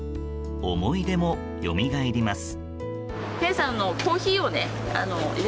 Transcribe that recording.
思い出もよみがえります。